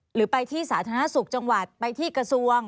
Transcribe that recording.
หรือไปที่สาธารณสุขจังหวัดไปที่กระทรวง